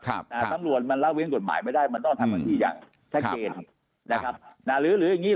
สำรวจมันล้างเว้นกฎหมายไม่ได้มันต้องทำอย่างทักเกณฑ์